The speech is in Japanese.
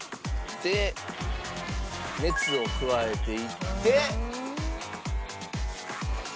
「で熱を加えていって」